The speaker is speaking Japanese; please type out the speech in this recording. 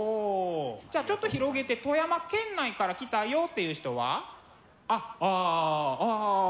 じゃあちょっと広げて富山県内から来たよっていう人は？あっああああ。